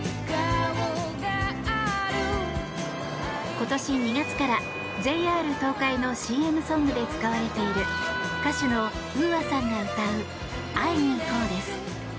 今年２月から、ＪＲ東海のＣＭソングで使われている歌手のＵＡさんが歌う「会いにいこう」です。